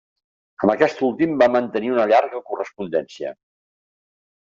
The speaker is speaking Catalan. Amb aquest últim va mantenir una llarga correspondència.